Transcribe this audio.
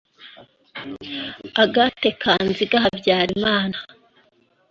Agathe Kanziga Habyarimana